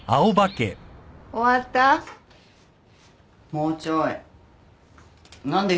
もうちょい。